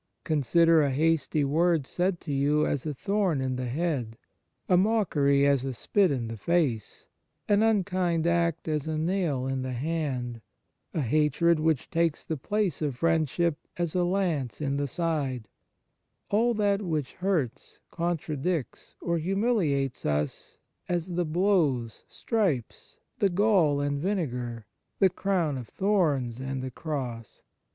Consider a hasty word said to you as a thorn in the head; a mockery as a spit in the face; an unkind act as a nail in the hand ; a hatred which takes the place of friendship as a lance in 74 Evil Thoughts and Tongues the side; all that which hurts, contradicts, or humiliates us as the blows, stripes, the gall and vinegar, the crown of thorns and the cross.